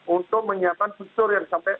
untuk menyiapkan fitur yang sampai